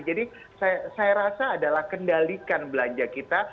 jadi saya rasa adalah kendalikan belanja kita